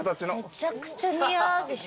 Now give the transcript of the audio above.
めちゃくちゃ似合うでしょ。